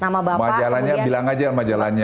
majalahnya bilang aja majalahnya